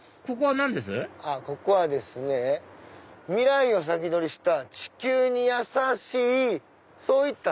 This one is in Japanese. ここはですね未来を先取りした地球にやさしい。